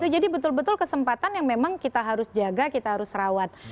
jadi betul betul kesempatan yang memang kita harus jaga kita harus rawat